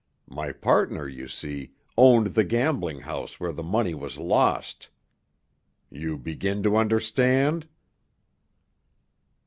My partner, you see, owned the gambling house where the money was lost. You begin to understand?"